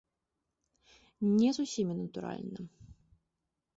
Не з усімі, натуральна.